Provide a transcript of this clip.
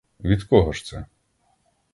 Від кого ж це?